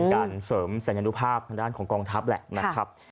เป็นการเสริมสัญญาณุภาพของกองทัพแหละนะครับ